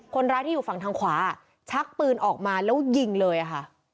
คนร้ายที่อยู่ฝั่งทางขวาชักปืนออกมาแล้วยิงเลยค่ะ